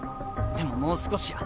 でももう少しや。